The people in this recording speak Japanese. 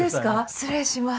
失礼します。